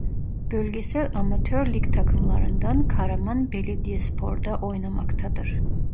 Bölgesel Amatör Lig takımlarından Karaman Belediyespor'da oynamaktadır.